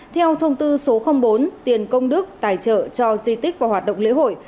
theo thông tư số bốn tiền công đức tài trợ cho di tích và hoạt động lễ hội